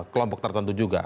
kelompok tertentu juga